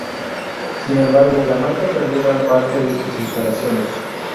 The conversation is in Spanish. Sin embargo la marca perdió gran parte de sus instalaciones.